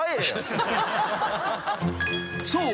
［そう。